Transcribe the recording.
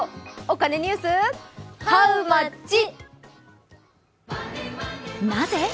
お金ニュース、ハウマッチ。